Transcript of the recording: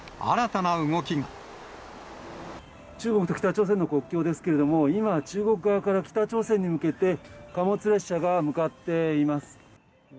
中国と北朝鮮の国境ですけれども、今、中国側から北朝鮮に向けて、貨物列車が向かっています。